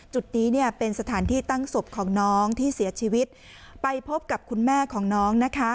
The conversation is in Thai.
จุดนี้เนี่ยเป็นสถานที่ตั้งศพของน้องที่เสียชีวิตไปพบกับคุณแม่ของน้องนะคะ